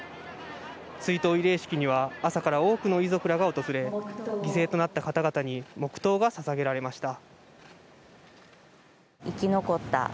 追悼慰霊式には朝から多くの遺族らが訪れ、犠牲となった方々に黙とうがささげられました。